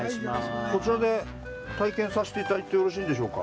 こちらで体験させていただいてよろしいんでしょうか？